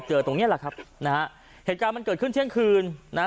ตรงเนี้ยแหละครับนะฮะเหตุการณ์มันเกิดขึ้นเที่ยงคืนนะฮะ